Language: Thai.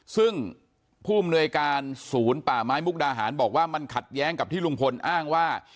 ซึ่งผู้อำนวยการศูนย์ป่าไม้มุกดาหารบอกว่ามันขัดแย้งกับที่ลุงพลอ้างว่า